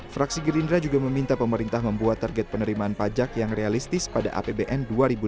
fraksi gerindra juga meminta pemerintah membuat target penerimaan pajak yang realistis pada apbn dua ribu dua puluh